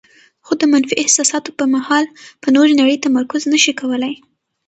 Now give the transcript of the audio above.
خو د منفي احساساتو پر مهال په نورې نړۍ تمرکز نشي کولای.